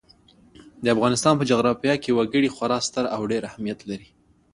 د افغانستان په جغرافیه کې وګړي خورا ستر او ډېر اهمیت لري.